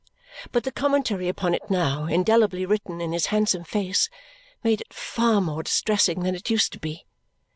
But the commentary upon it now indelibly written in his handsome face made it far more distressing than it used to be.